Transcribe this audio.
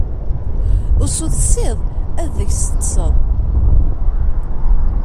Usu tessiḍ, ad deg-s teṭṭseḍ.